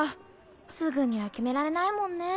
すぐには決められないもんね。